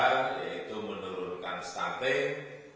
yaitu menurunkan staffing